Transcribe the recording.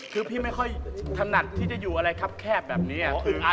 คือพี่ไม่ค่อยถนัดที่จะอยู่อะไรครับแคบแบบนี้